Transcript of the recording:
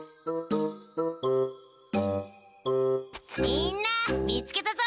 みんな見つけたぞ！